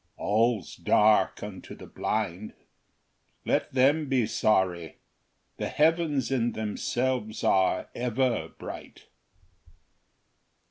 All's dark unto the blind ; let them be sorry ; The heavens in themselves are ever bright.